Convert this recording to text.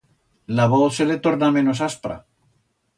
La voz se le torna menos aspra.